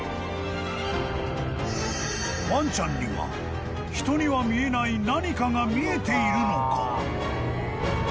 ［ワンちゃんには人には見えない何かが見えているのか？］